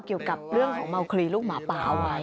เกี่ยวกับเรื่องของเมาคลีลูกหมาป่าเอาไว้